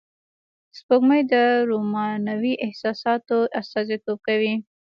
سپوږمۍ د رومانوی احساساتو استازیتوب کوي